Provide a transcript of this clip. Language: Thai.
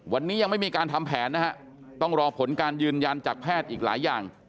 วันนี้ยังไม่มีการทำแผนนะฮะต้องรอผลการยืนยันจากแพทย์อีกหลายอย่าง